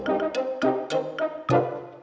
pasti tanamannya ditanam disini